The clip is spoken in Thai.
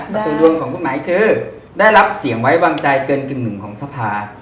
ประตูดวงของคุณหมายคือได้รับเสี่ยงไว้วางใจเกินกินหนึ่งของทรภา